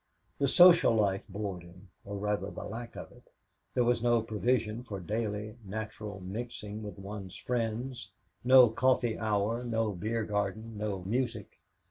The social life bored him, or rather the lack of it. There was no provision for daily natural mixing with one's friends no coffee hour, no beer garden, no music.